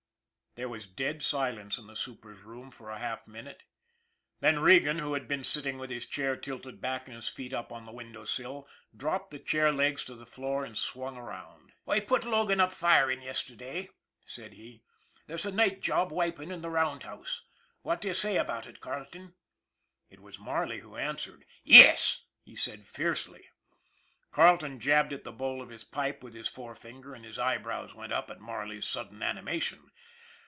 There was dead silence in the super's room for a half minute, then Regan, who had been sitting with his chair tilted back and his feet up on the window sill, dropped the chair legs to the floor and swung around. " I put Logan up firing yesterday," said he. " There's a night job wiping in the roundhouse. What do you say about it, Carleton? " It was Marley who answered. "Yes!" he said fiercely. Carleton jabbed at the bowl of his pipe with his forefinger and his eyebrows went up at Marley's sud den animation.